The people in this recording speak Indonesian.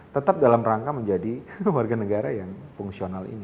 tetap dalam rangka menjadi warga negara yang fungsional ini